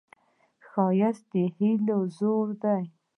ښایست د هیلو زور دی